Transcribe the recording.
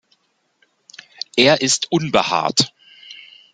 Er ist unbehaart.